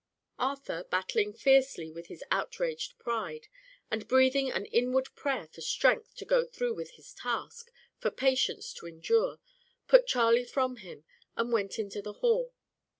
Arthur, battling fiercely with his outraged pride, and breathing an inward prayer for strength to go through with his task, for patience to endure, put Charley from him, and went into the hall.